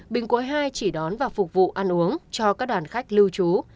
bình quấy ii chỉ đón và phục vụ ăn uống cho các đoàn khách lưu trú